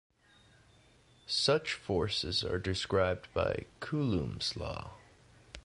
Such forces are described by Coulomb's law.